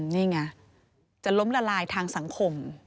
นี่ไงจะล้มละลายทางสังคม